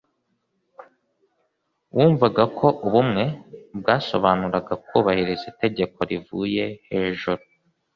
bumvaga ko ubumwe byasobanuraga kubahiriza itegeko rivuye hejuru.